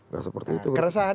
nah seperti itu